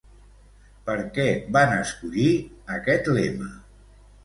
Per què van escollir aquest lema?